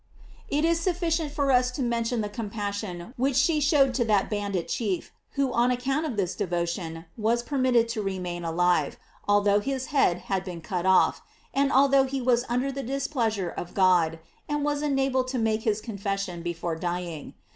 It is sufficient for us to mention the compassion which she showed to that bandit chief, who on account of this devotion, was per mitted to remain alive, although his head had been cut off, and although he was under the dis pleasure of God, and was enabled to make hia confession before dying.